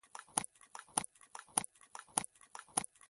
کوم غاښ مو دردیږي؟